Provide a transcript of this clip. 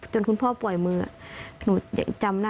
จนคุณพ่อปล่อยมืออะ